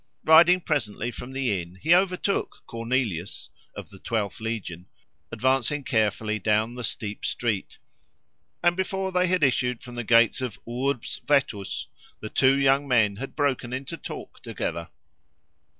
Riding presently from the inn, he overtook Cornelius—of the Twelfth Legion—advancing carefully down the steep street; and before they had issued from the gates of Urbs vetus, the two young men had broken into talk together.